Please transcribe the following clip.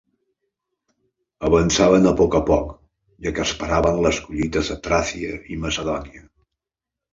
Avançaven a poc a poc, ja que esperaven les collites a Tràcia i Macedònia.